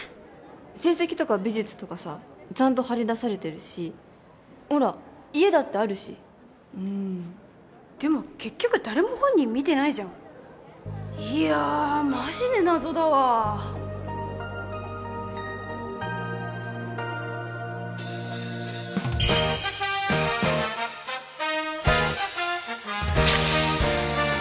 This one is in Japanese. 成績とか美術とかさちゃんと張り出されてるしほら家だってあるしうんでも結局誰も本人見てないじゃんいやマジで謎だわ泉！